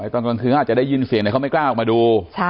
ตอนกลางคืนเขาอาจจะได้ยินเสียงแต่เขาไม่กล้าออกมาดู